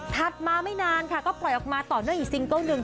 มาไม่นานค่ะก็ปล่อยออกมาต่อเนื่องอีกซิงเกิ้ลหนึ่ง